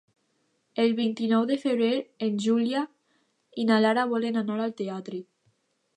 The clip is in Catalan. El vint-i-nou de febrer en Julià i na Lara volen anar al teatre.